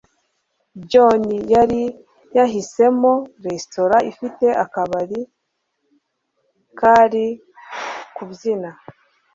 John yari yahisemo resitora ifite akabari kari kubyina.